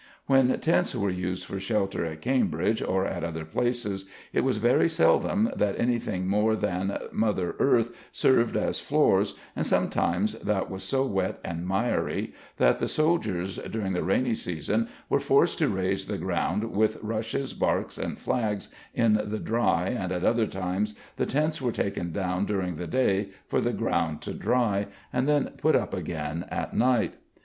When tents were used for shelter at Cambridge or at other places it was very seldom that any thing more than "Mother Earth" served as floors and sometimes that was so wet and miry that the soldiers during the rainy seasons were forced to raise the ground with "Rushes, Barks, and Flags in the dry" and at other times the tents were taken down during the day for the ground to dry and then put up again at night.